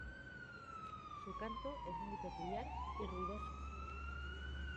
Su canto es muy peculiar y ruidoso.